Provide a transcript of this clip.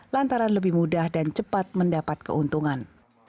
lantaran lebih mudah dan cepat mendapat keuntungan